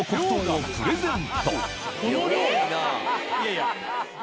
いやいや。